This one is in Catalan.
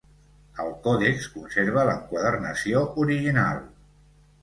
El còdex conserva l'enquadernació original.